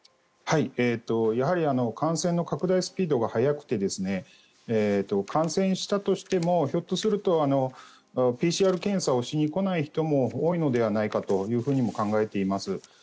やはり感染の拡大スピードが速くて感染したとしてもひょっとするとＰＣＲ検査をしに来ない人も多いのではないかとも考えています。